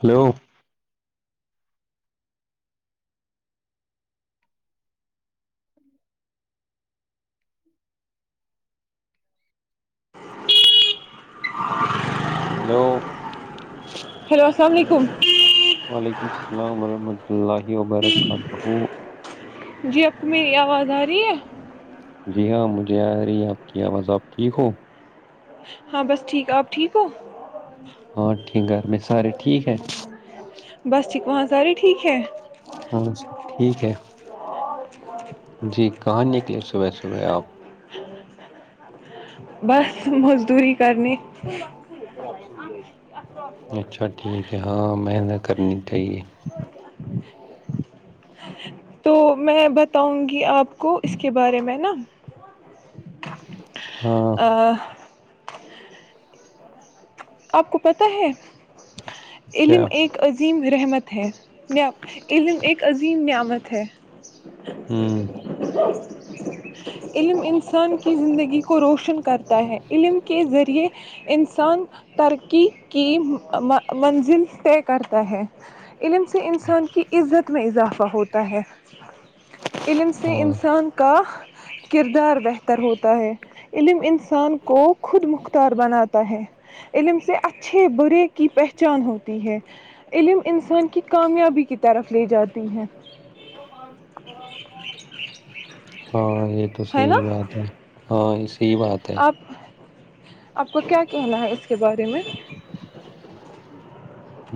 hello ایک hello hello السلام علیکم وعلیکم السلام ورحمۃ اللہ وبرکاتہ جی اب کو میری آواز آ رہی ہے جی ہاں مجھے آ رہی آپ کی آواز آپ ٹھیک ہو ہاں بس ٹھیک آپ ٹھیک ہو ہاں ٹھ گھر میں سرے ٹھیک ہے بس ٹھیک وہاں سارے ٹھیک ہے ہاں سب ٹھیک ہے جی کہانی کے لیے س صبح صبح آپ بس مزدوری کرنی اچھا ٹھیک ہے ہاں محنت کرنی چاہیے تو میں بتاؤں گی آپ کو اس کے بارے میں نا ہاں آ آپ کو پتہ ہے کیا علم ایک عظیم رحمت ہے علم ایک عظیم نعمت ہے ہوں [unintelligible] علم انسان اپنی زندگی کو روشن کر ہے علم کے ذریعے انسان ترقی کی منزل طے کرتا ہے علم سے انسان کی عزت میں اضافہ ہوتا ت علمم س ہاں انسان کااہ کردار بہتر ہوتا ہے علم انسان کو خود مختار بناتا ہے علم سے اچھے برے کی پہچان ہوتی ہے علم انسان کی کامیابی کی طرف لے جاتی ب ہے ہاں یہ تو ہے نا صحی بات ہے ہاں اس صحیح بات ہے آپ آپ کو کیا کہنا ہے اس کے بارے میں [inaudible]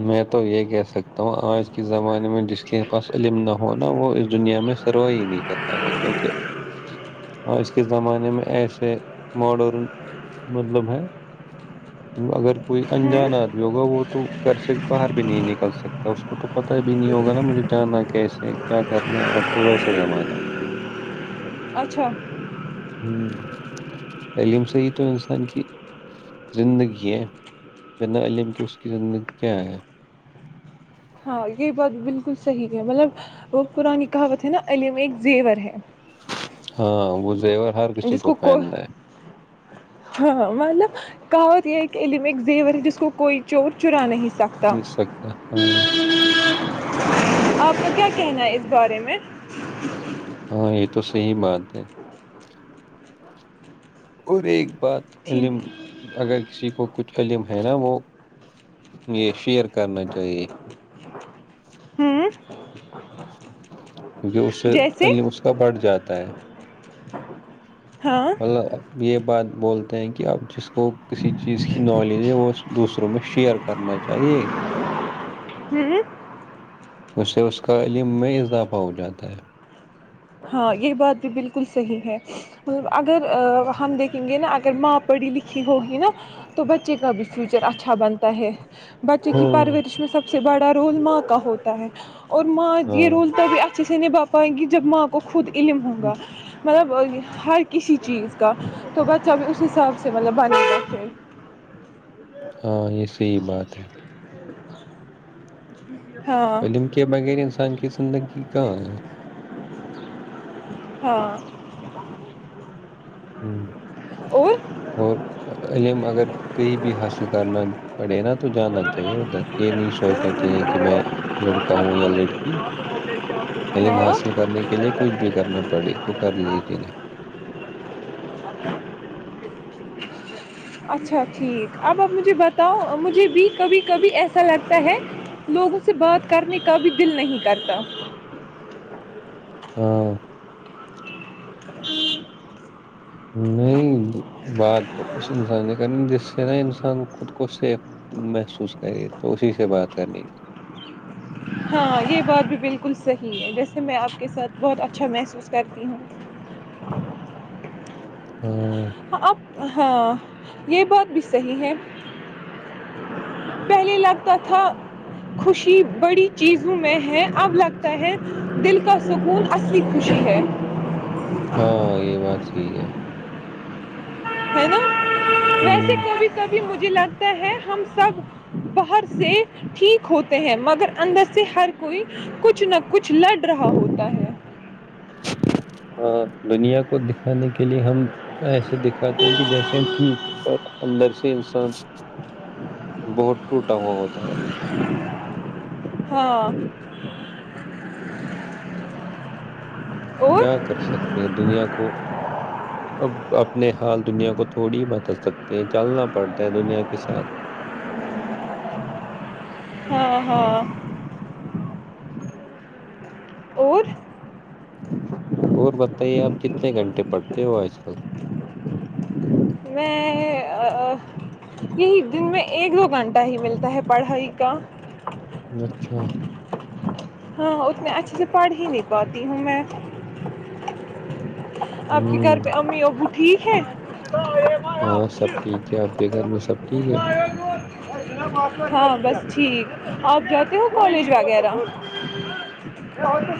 میں تو یہ کہہ سکتا ہوں آج کے زمانے میں جس کے پاس علم نہ ہوناا وہ اس دنیا میں سروائی نہیں کر پائے گا کیونکہ آج کے زمانے میں ایسے ماڈرن مطلب ہے اگر کوئی انجان ہ آدمی ہوگا وہ تو گھر سے باہر بھی نہیں نکل سکتا اس کو تو پتا بھی نہیں ہوگا نا مجھے جاننا کیسے کیا کرنا ہے آج کل ویسا زمانہ ہے اچھا ہ عم سے ہی تو انسان کی زندگی ہے بنا علم کے اس کی زندگی کیا ہے ہاں یہ بات بالکل صحیح ہے مطلب وہ پرانی کہاوت ہے نا علم ایک زیور ہے ہاں ب جس کو کو ہاں مطلب کہاوت یہ کہ علم ایک زیور ہے جس کوئی چور چرا نہیں چ نہیں سکتا ہاں آپ کو کیا کہنا ہے اس بارے میں ہاں یہ تو صحی بات ہے اور ایک بات علم ٹھیک اگر کسی کو کچھ قلم ہے نا وہ یہ شیئر کرنا چاہیے ہوں کیونکہ اس سے جیسے علم اس کا بڑھ جاتا ہے ہاں م یہ بات بولتے ہیں کہ آپ جس کا کو کسی چیز کی نالج ہے وہ دوسروں میں شیئر کرنا چاہیے ہوں اسے اس کا علم میں اضافہ ہو جاتا ہے ہاں یہ بات بھی بالکل صحیح ہے مطلب اگر ہم دیکھیں گے نا اگر ماں پڑھی لکھی ہوگی نا تو بچے کا بھی فیوچر اچھا بنتا ہے بچے کی ہاں پرورش میں سب س سے بڑا رولما کا ہوتا ہے اور ماج یہ ہاں روولتاب اچھے سے نہیں باپ آئ گی جب ماں کو خود علم ہووں گا مطلب ہر کسی چیز کا تو بچہ بھی اس حساب سے مطلب بنے رکھے ہاں یہ صحی بات ہے ہاں علم کے بغیر انسان کس ندگ کہ ہے ہاں ہ اور اور علم اگر کہیں بھی حاصل کرنا پڑے نا تو جانا چاہیے ادھر یہ نہیں سوچنا چاہیے کہ میں لڑکا ہوں یا لڑکی علم ہاں حاصل کرنے کے لیے کچھ بھی کرنا پڑے تو کر لیجیے نا اچھا ٹھیک اب اب مجھے بتاؤ مجھے بھی کبھی کبھی ایسا لگتا ہے لوگوں سے بات کرنے کا بھی دل نہیں کرتا ہاں ایکید نہیں بات تو اس انسان نے کرنی جس سے نا انسان خود کو سیف محسوس کرے توی سے بات کرنی چاہیے ہاں یہ بات بھی بالکل صحیح ہے ویسے میں آپ کے ساتھ بہت اچھا محسوس کرتی ہوں ہاں اب ہاں یہ بات بھی صحیح ہے پہلے لگتا تھا خوشی بڑی چیزوں میں ہے اب لگتا ہے دل کا سکون اصلی خوشی ہے ہاں یہ بات ٹھیک ہے ہے نا ویسے ہوں کبھی کبھی مجھے مجھے لگتا ہے ہم سب باہر سے ٹھیک ہوتے ہیں مگر اندر سے ہر کوئی کچھ نہ کچھ لڑ رہا ہوتا ہے ہاں دنیا کو دکھانے کے لیے ہم ایسے ے دکھاتے ہیں کہ جیسے ہم ٹھیک ہے اور اندر سے انسان بہت ٹوٹا ہوا ہوتا ہے ہاں اور کیا کر سکتے دنیا کو اب اپنے حال دنیا کو تھوڑی بدل سکتے ہیں چلنا پڑتا ہے دنیا کے ساتھ ہ ہاں اور اور بتائیے آپ کتنے گھنٹے پڑتے ہو آج کل میں یہی دن میں ایک دو گھنٹہ ہی ملتا ہے پڑھائی کا چھ ہاں اتنے اچھے سے پڑھ ہی نہیں پاتی ہوں میں آپ کے گھر ہوں پہ امی اور ٹھیک ہے ہاں سب ٹھیک ہے آپ کے گھر میں سب ٹھیک ہے ہاں بس ٹھیک آپ جاتے ہو کالج وغیرہ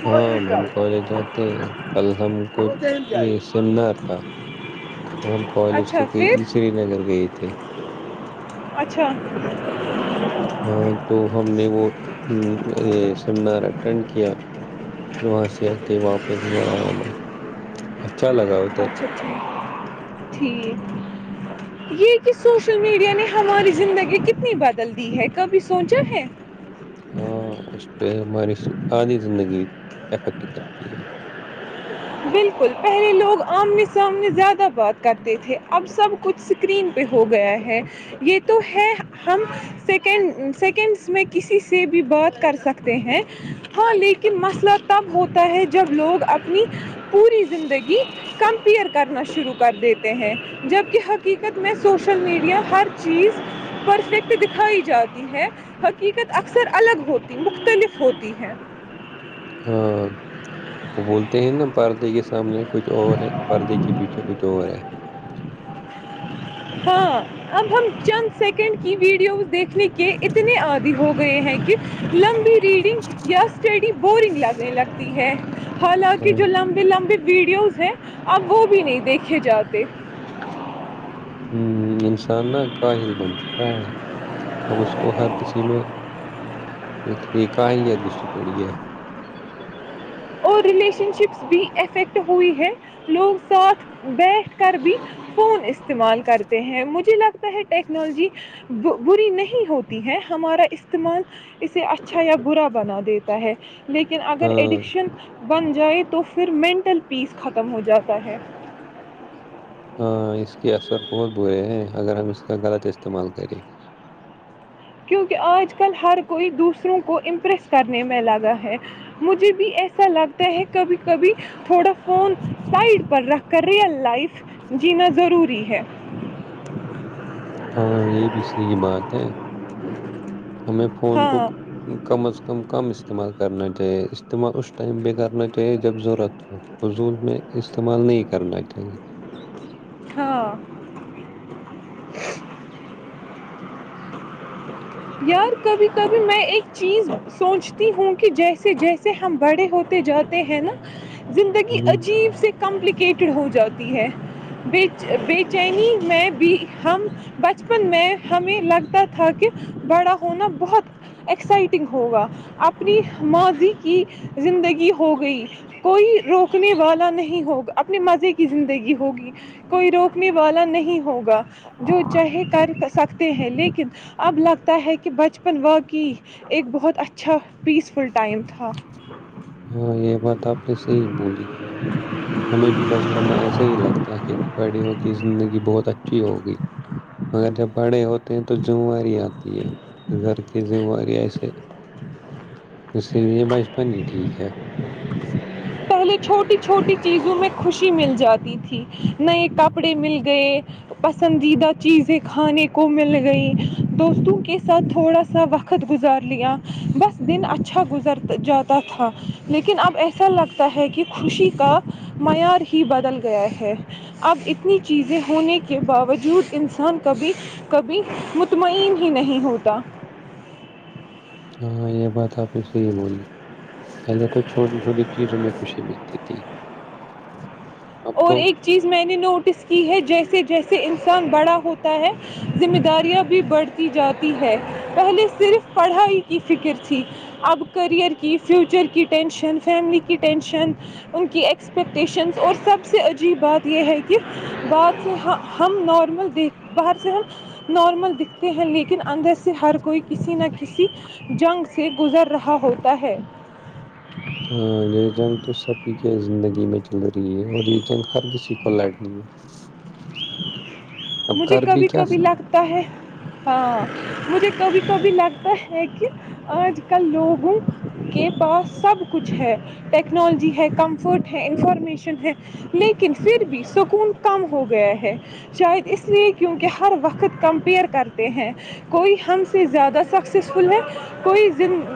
ہاں ہم کالج جاتے ہیں کل ہم کو یہ سیمینار تھا تو ہم کالج اچھا سے کہ پھر سری نگر گئے تھے اچھا ہاں تو ہم نے وہ یہ سیمینار اٹینڈ کیا پھر وہاں سے آ کے واپس گھر آیا میں اچھا لگا ادھر اچھا اچھا ٹھیک یہ کہ سوشل میڈیا نے ہماری زندگی کتنی بدل دی ہے کبھی سوچا ہے ہاں اس پہ ہماری آدھی زندگی افیکٹ کرتی ہے بالکل پہلے لوگ آمنے سامنے زیادہ بات کرتے تھے اب سب کچھ اسکرین پہ ہو گیا ہے یہ تو ہے ہم سیکنڈ سیکنڈس میں کسی سے بھی بات کر سکتے ہیں ہاں لیکن مسئلہ تب ہوتا ہے جب لوگ اپنی پوری زندگی کمپیئر کرنا شروع کر دیتے ہیں جبکہ حقیقت میں سوشل میڈیا ہر چیز پرفیکٹ دکھائی جاتی ہے حقیقت اکثر الگ ہوتی مختلف ہوتی ہے ہاں وہ بولتے ہیں نا پردے کے سامنے کچھ اور ہے پردے کے پیچھے کچھ اور ہے ہاں اب ہم چند سیکنڈ کی ویڈیوز دیکھے کے اتنے آدی ہو وہ یہ ہے کہ لمبی ریڈنگ یا اسٹڈی بورنگ لگنے لگتی ہے حالانکہ ہاں جو لمبی لمبی ویڈیوز ہیں اب وہ بھی نہیں دیکھے جاتے ہ انسان نا کاہل بن چکا ہے اب اس کو ہر کسی میں یہ کاہلیت گھسی پڑی ہے اور ریلیشن شپس بھی افیکٹ ہوئی ہے لوگ ساتھ بیٹھ کر بھی فون اس استعمال کرتے ہیں مجھے لگتا ہے ٹیکنالوجی بری نہیں ہوتی ہے ہمارا استعمال اسے اچھا یا برا بنا دیتا ہے لیکن اگر ہاں ایڈکشن بن جائے تو پھر مینٹل پیس ختم ہو جاتا ہے ہاں اس کے اثر بہت برے ہیں اگر ہم اس کا غلط استعمال کریں کیونکہ آج کل ہر کوئی دوسروں کو امپریس کرنے میں لگا ہے مجھے بھی ایسا لگتا ہے کبھی کبھی تھوڑا فون سائڈ پر رکھ ریل لائف جینا ضروری ہے ہاں یہ بھی صحیح بات ہے ہمیں فون کو ہاں کم از کم کم استعمال کرنا چاہیے استعمال اس ٹائم پہ کرنا چاہیے جب ضرورت ہو وضول میں استعمال نہیں کرنا چاہیے ہاں یار کبھی کبھی میں ایک چیز سوچتی ہوں کہ جیسے جیسے ہم بڑے ہوتے جاتے ہیں نا زندگی ہ عجیب سے کمپلیکیٹڈ ہو جاتی ہے بے چینی میں بھی ہم بچپن میں ہمیں لگتاار تھا کہ بڑا ہونا بہت ایکسائٹنگ ہوگا اپنی ماضی کی زندگی ہوگئی کوئی روکنے والا نہیں ہوگا اپنے مزے کی زندگی ہوگی کوئی روکنے والا نہیں ہوگا جو چاہے کر سکتے ہیں لیکن اب لگتا ہے کہ بچپن واقعی ایک بہت اچھا پیسفل ٹائم تھا ہاں یہ بات آپ نے صحی بولی ہمیں بھی بچپن میں ایسا ہی لگتا کہ بڑے ہو کی زندگی بہت اچھی ہوگی مگر جب بڑے ہو تو تو تو ج و ت یہ گ ایسے اس لیے یہ بچپن ہی ٹھیک کھ ہے پہلے چھوٹی چھوٹی چیزوں میں خوشی مل جاتی تھی نئے کپڑے مل گئے پسندیدہ چیزیں کھانے کو مل گئیں دوستوں کے ساتھ تھوڑا سا وقت گزار لیا بس دن اچھا گزر جاتا تھا لیکن اب ایسا لگتا ہے کہ خوشی کا معیار ہی بدل گیا ہے اب اتنی چیزیں ہونے کے باوجود انسان کبھی کبھی مطمئن ہی نہیں ہوتا ہاں یہ بات آپ نے صی بولی پہلے تو چھوٹی چھوٹی چیزوں میں خوشی ملتی اس اور ایک چیز میں نے نوٹس کی ہے جیسے جیسے سے انسان بڑا ہوتا ہے ذمہ داریاں بھی بڑھتی جاتی ہے پہلے صرف پڑھائی کی فکر تھی اب کریئر کی فیوچر کی ٹینشن فیملی کی ٹینشن ان کی ایکسپیکٹیشنس اور سب سب سے عجیب بات یہ ہے کہ بر سے ہم نارمل دیک باہر سے ہم نارمل دکھتے ہیں لیکن اندر سے ہر کوئی کسی نہ کسی جنگ سے گزر رہا ہوتا ہے ہاں یہ جنگ تو سبھی کے زندگی میں چل رہی ہے اور یہ جنگ ہر کسی کو لڑنی ہے ہے مجھے کبھی کبھی لگتا ہے ہاں مجھے کبھی کبھی لگتا ہے کہ آج کل لوگوں کے پاس سب کچھ ہے ٹیکنالوجی ہے کمفرٹ ہے انفارمیشن ہے لیکن پھر بھی سکون کم ہو گیا ہے شاید اس لیے کیونکہ ہر وقت کمپیئر کرتے ہیں کوئی ہم سے زیادہ سکسیزفل ہے کوئی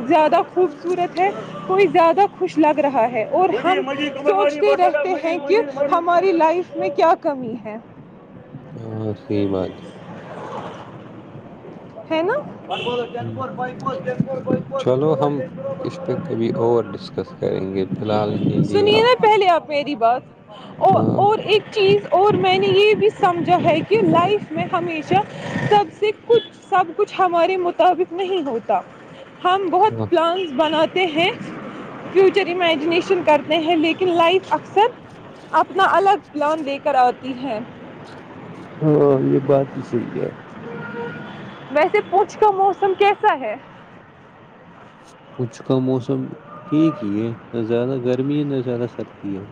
زیادہ خوبصورت ہے کوئی زیادہ خوش لگ رہا ہے اور ہم سوچتے رہتے ہیں کہ ہماری لائف میں کیا کمی ہے ہاں صحیح بات ہے ج ہے نا ہوں، چلو ہم اس پہ کبھی اور ڈسکس کریں گے فی الحال کے لیے سنیے آپ نا پہلے آپ میری بات اور ہاں اور ایک چیز اور میں نے یہ بھی سمجھا ہے کہ لائف میں ہمیشہ سب سے کچھ سب کچھ ہمارے مطابق نہیں ہوتا ہم ہاں بہت پلانس بنا د ہیں فیوچر امیجنییشن کرتے ہیں لیکن لائف اکثر اپنا الگ پلان دے کر آ ااں ہاں یہ بات صحیح ہے ویسے پوچھ کر موسم کیسا ہے اھ کا موسم ٹھیک ہی یہ نہ زیادہ گرمی ہے نہ زیادہ سردی ہے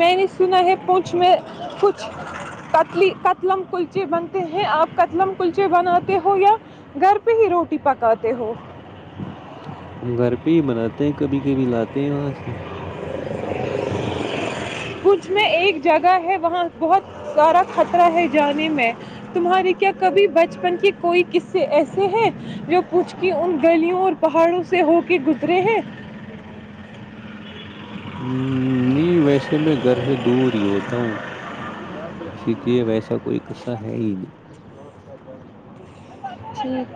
میں نے سنا ہے پوھ میں کچھ قتلم کلچے بنتے ہیں آپ قتلم کلچے بناتے ہو یا گھر پہ ہی روٹی پکاتے ہو ہم گھر پہ ہی بناتے ہیں کبھی کبھی لاتے ہیں وہاں سے پچھ میں ایک جگہ ہے وہاں بہت سارا خطرہ ہے جانے میں تمہارے کیا کبھی بچپن کے کوئی قصے ایسے ہیں جو پچھ کی ان گلیوں اور پہاڑوں سے ہو کے گزرے ہیں ہ نہیں ویسے میں گھر سے دور ہی ہوتا ہوں اسی لیے ویسا کوئی قصہ ہے ہی نہیں جٹھ